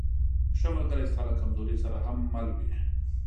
ښه ملګری ستا له کمزورۍ سره هم مل وي.